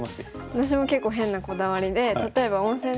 私も結構変なこだわりで。